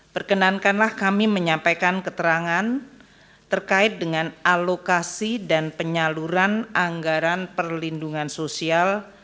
perkenankanlah kami menyampaikan keterangan terkait dengan alokasi dan penyaluran anggaran perlindungan sosial